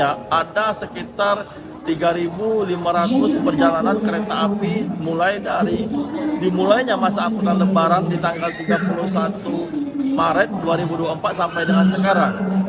ada sekitar tiga lima ratus perjalanan kereta api mulai dari dimulainya masa angkutan lebaran di tanggal tiga puluh satu maret dua ribu dua puluh empat sampai dengan sekarang